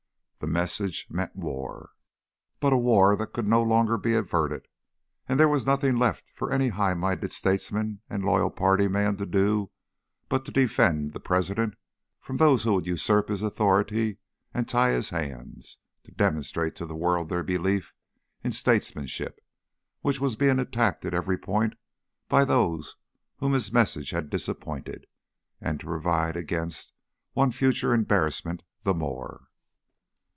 The Message meant war, but a war that no longer could be averted, and there was nothing left for any high minded statesman and loyal party man to do but to defend the President from those who would usurp his authority and tie his hands, to demonstrate to the world their belief in a statesmanship which was being attacked at every point by those whom his Message had disappointed, and to provide against one future embarrassment the more.